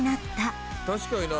「確かにな。